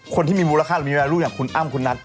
คนที่มีมูลค่ามีแมวรู้อย่างคุณอ้ำคุณนัท